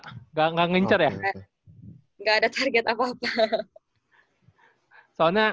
iya kalau berpikiran pesikipan gitu ya udah gak ada target apa apa ya karena kondisi juga udah gak memungkinkan ya keliatan ya untuk